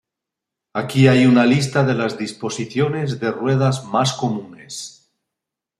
Aquí hay una lista de las disposiciones de ruedas más comunes.